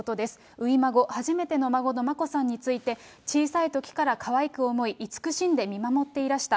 初孫、初めての孫の眞子さんについて、小さいときからかわいく思い、慈しんで見守っていらした。